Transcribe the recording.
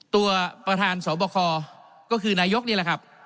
ตัวประธานสอบคอก็คือนายกนี่แหละครับ